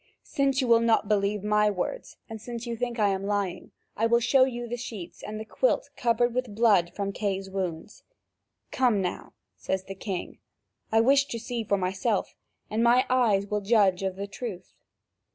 Since you will not believe my words, and since you think I am lying, I will show you the sheets and the quilt covered with blood from Kay's wounds." "Come now," says the king, "I wish to see for myself, and my eyes will judge of the truth."